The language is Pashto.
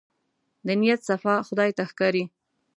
د نيت صفا خدای ته ښکاري.